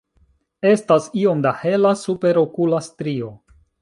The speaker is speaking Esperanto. Estas iom da hela superokula strio.